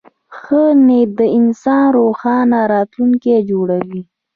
ښه نیت د انسان روښانه راتلونکی جوړوي.